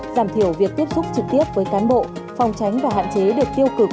giảm thiểu việc tiếp xúc trực tiếp với cán bộ phòng tránh và hạn chế được tiêu cực